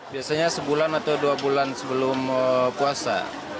biasanya sebulan atau dua bulan sebelum puasa